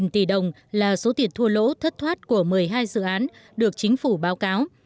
năm mươi năm tỷ đồng là số tiền thua lỗ thất thoát của một mươi hai dự án được chính phủ báo cáo